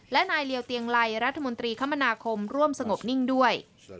และนายเรียวเตียงไลรัฐมนตรีคมนาคมร่วมสงบนิ่งด้วย